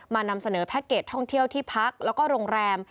นำเสนอแพ็คเกจท่องเที่ยวที่พักแล้วก็โรงแรม